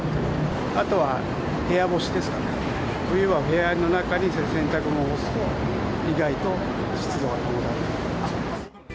あとは部屋干しですかね、冬は部屋の中に洗濯物を干すと、意外と湿度が保たれる。